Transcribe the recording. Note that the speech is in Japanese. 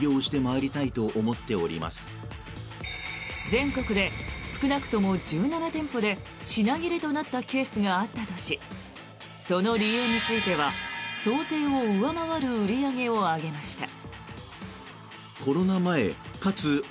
全国で少なくとも１７店舗で品切れとなったケースがあったとしその理由については想定を上回る売り上げを挙げました。